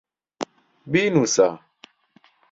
بینووسە.